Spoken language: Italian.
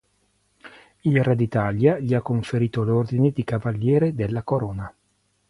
Il Re d'Italia gli ha conferito l'ordine di Cavaliere della Corona.